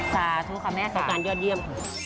ค่ะทุกค่ะแม่ค่ะโปรดการณ์ยอดยี่ยม